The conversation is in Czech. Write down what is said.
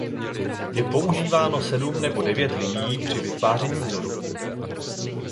Je používáno sedm nebo devět linií při vytváření vzoru.